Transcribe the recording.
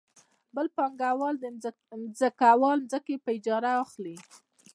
بل پانګوال د ځمکوال ځمکې په اجاره اخلي